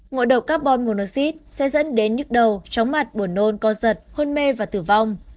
ngộ độc carbon monoxid sẽ dẫn đến nhức đầu tróng mặt buồn nôn co giật hồn mê và tử vong